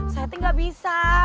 saya teh gak bisa